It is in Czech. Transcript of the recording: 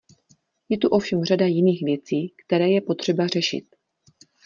Je tu ovšem řada jiných věcí, které je potřeba řešit.